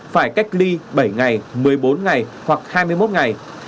phải cách ly bảy ngày một mươi bốn ngày hoặc hai mươi một ngày